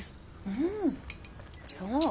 うんそう？